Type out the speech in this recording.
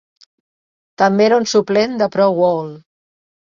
També era un suplent de Pro Bowl.